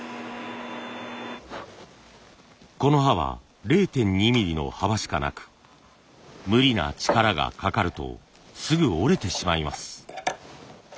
この刃は０．２ミリの幅しかなく無理な力がかかるとすぐ折れてしまいます。